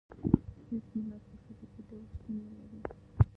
هېڅ ملت په فزیکي ډول شتون نه لري.